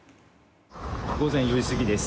午前４時過ぎです。